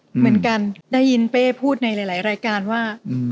เหมือนกันได้ยินเป้พูดในหลายรายการว่า